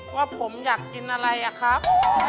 ว่าผมอยากกินอะไรอะครับ